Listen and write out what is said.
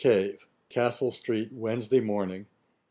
CAVE. 'Castle street, Wednesday Morning.